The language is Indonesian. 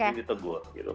ini di tegur